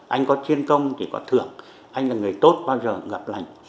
anh có chiến công thì có thưởng anh là người tốt bao giờ gặp lành